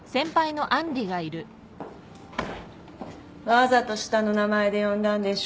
わざと下の名前で呼んだんでしょ。